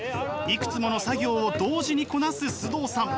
いくつもの作業を同時にこなす須藤さん。